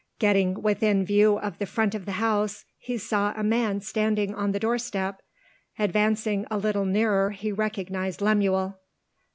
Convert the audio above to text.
Getting within view of the front of the house, he saw a man standing on the doorstep. Advancing a little nearer, he recognised Lemuel.